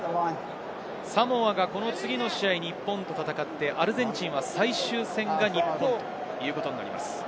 サモアがこの次の試合、日本と戦って、アルゼンチンは最終戦が日本ということになります。